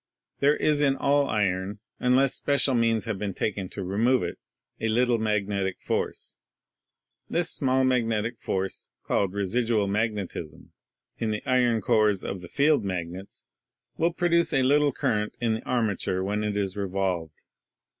There is in all iron, unless special means have been taken to remove it, a little magnetic force. This small magnetic force, called "residual magnetism," in the iron cores ot the field magnets will produce a little current in the ar mature when it is revolved.